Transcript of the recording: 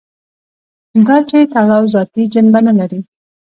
دا چې تړاو ذاتي جنبه نه لري.